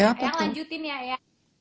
eyang lanjutin ya